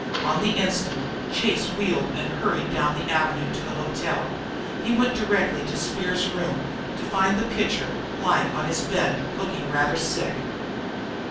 On the instant Chase wheeled and hurried down the avenue to the hotel. He went directly to Speer's room, to find the pitcher lying on his bed looking rather sick.